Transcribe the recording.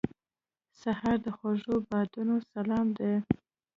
سهار د خوږو بادونو سلام دی.